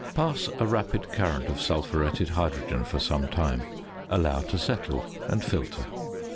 Pass a rapid current of sulphuretted hydrogen for some time. Allow to settle, and filter.